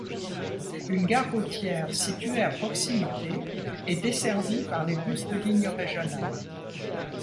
Une gare routière située à proximité est desservie par les bus de lignes régionales.